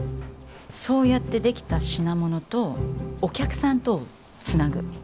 そうやって出来た品物とお客さんとをつなぐ。